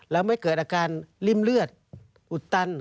แล้วไม่เกิดอาการริ่มเลือดอุดตัน